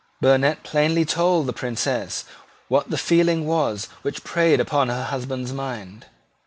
Burnet plainly told the Princess what the feeling was which preyed upon her husband's mind.